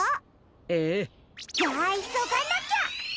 ええ。じゃあいそがなきゃ！